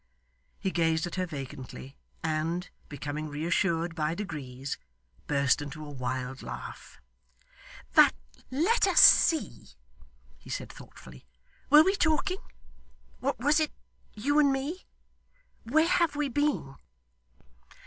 He gazed at her vacantly, and, becoming reassured by degrees, burst into a wild laugh. 'But let us see,' he said, thoughtfully. 'Were we talking? Was it you and me? Where have we been?